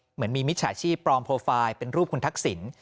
เหมือนมีมิจฉาชีพปลอมโปรไฟล์เป็นรูปคุณทักษิณ